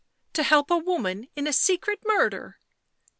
— to help a woman in a secret murder